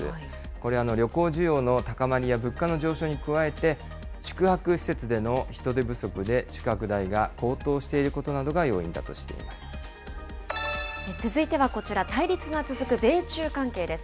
これ、旅行需要の高まりや物価の上昇に加えて、宿泊施設での人手不足で宿泊代が高騰していることなどが要因だと続いてはこちら、対立が続く米中関係です。